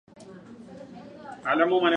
لست متأكدا حيال ما كان يتحدث توم عنه.